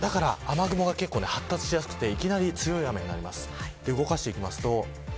だから雨雲が結構発達しやすくていきなり強い雨になります。